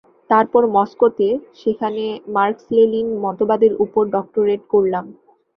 তারপর মস্কোতে, সেখানে মার্কস-লেনিন মতবাদের ওপর ডক্টরেট করলাম।